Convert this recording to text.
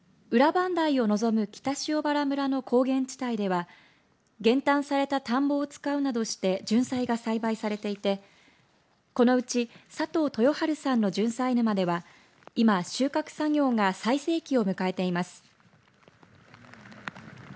磐梯を望む北塩原村の高原地帯では減反された田んぼを使うなどしてジュンサイが栽培されていてこのうち佐藤豊治さんのジュンサイ沼では今、収穫作業が最盛期を迎えています。